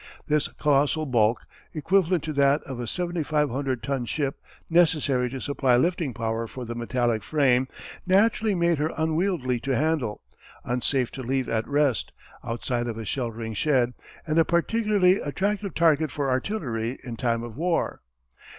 This colossal bulk, equivalent to that of a 7500 ton ship necessary to supply lifting power for the metallic frame, naturally made her unwieldy to handle, unsafe to leave at rest, outside of a sheltering shed, and a particularly attractive target for artillery in time of war.